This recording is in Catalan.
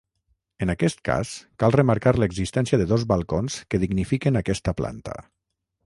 En aquest cas, cal remarcar l'existència de dos balcons que dignifiquen aquesta planta.